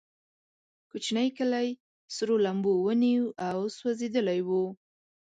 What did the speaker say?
کوچنی کلی سرو لمبو ونیو او سوځېدلی و.